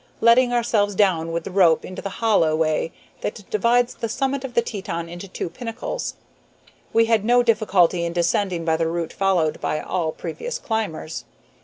Letting ourselves down with the rope into the hollow way that divides the summit of the Teton into two pinnacles, we had no difficulty in descending by the route followed by all previous climbers.